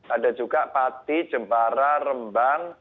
ada juga pati jempara rembang